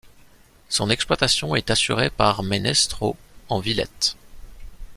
Son exploitation est assurée par Ménestreau en Villette.